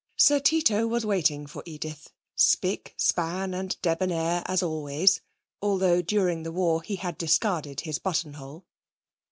Sir Tito was waiting for Edith, spick, span and debonair as always (although during the war he had discarded his buttonhole).